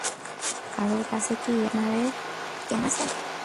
কারো কাছে কি এয়ার ফ্রেশনারের ক্যান আছে?